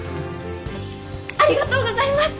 ありがとうございます！